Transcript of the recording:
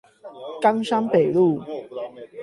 岡山北路